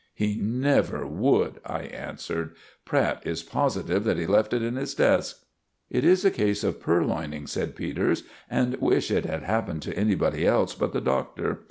"He never would," I answered. "Pratt is positive that he left it in his desk." "It is a case of purloining," said Peters; "and wish it had happened to anybody else but the Doctor.